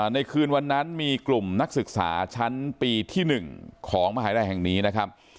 ในคืนวันนั้นมีกลุ่มนักศึกษาชั้นปีที่๑ของมหาลัยแห่งนี้นะครับ